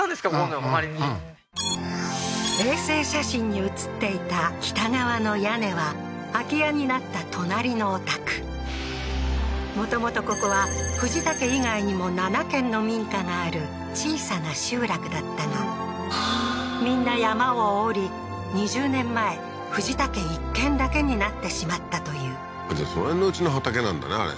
ここの周りに衛星写真に写っていた北側の屋根は空き家になった隣のお宅もともとここは藤田家以外にも７軒の民家がある小さな集落だったがみんな山を下り２０年前藤田家１軒だけになってしまったというその辺のうちの畑なんだね